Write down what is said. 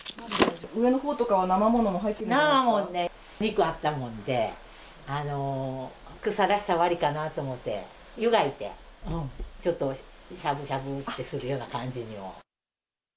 上のほうとかはなま物も入っなま物ね、肉あったもんで、腐らしたら悪いかなと思って、湯がいて、ちょっとしゃぶしゃぶってするような感じにも。